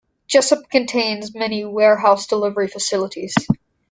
Jessup contains many warehouse delivery facilities.